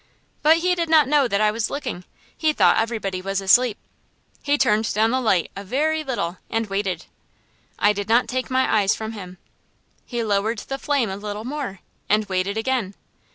But he did not know that I was looking; he thought everybody was asleep. He turned down the light a very little, and waited. I did not take my eyes from him. He lowered the flame a little more, and waited again.